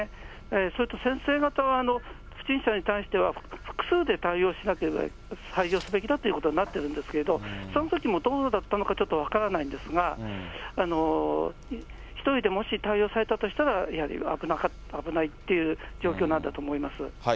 それと先生方は不審者に対しては、複数で対応すべきだということになってるんですけど、そのときもどうだったのか、ちょっと分からないんですが、１人でもし、対応されたとしたら、やはり危ないっていう状況なんだと思います。